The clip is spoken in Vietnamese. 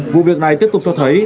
vụ việc này tiếp tục cho thấy